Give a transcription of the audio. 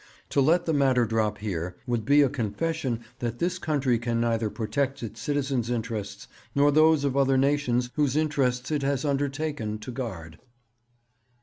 To let the matter drop here would be a confession that this country can neither protect its citizens' interests, nor those of other nations whose interests it has undertaken to guard.'